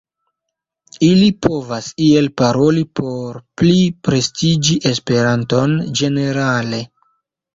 Ili povas iel paroli por pli prestiĝigi esperanton ĝenerale.